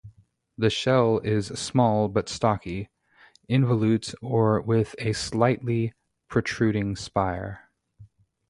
The shell is small but stocky; involute or with a slightly protruding spire.